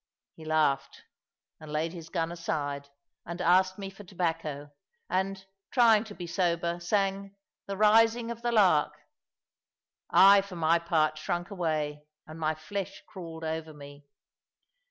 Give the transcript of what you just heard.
He laughed and laid his gun aside, and asked me for tobacco, and, trying to be sober, sang "the rising of the lark." I, for my part, shrunk away, and my flesh crawled over me.